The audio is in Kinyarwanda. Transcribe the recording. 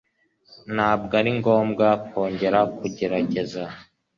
Ntabwo ari ngombwa kongera kugerageza.